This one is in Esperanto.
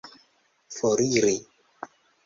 foriri